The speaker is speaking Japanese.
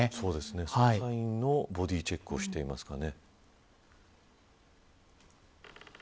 捜査員のボディーチェックをしていますかね。